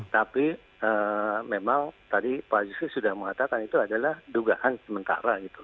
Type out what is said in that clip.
tapi memang tadi pak yusri sudah mengatakan itu adalah dugaan sementara gitu